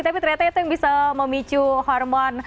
tapi ternyata itu yang bisa memicu hormon